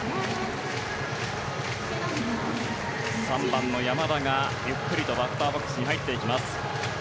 ３番の山田がゆっくりとバッターボックスに入っていきます。